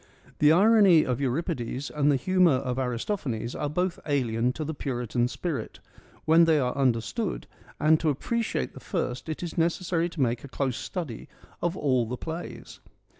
The irony of Euripides and the humour of Aristophanes are both alien to the Puritan spirit, when they are understood, and to appreciate the first it is necessary to make a close study of all the plays.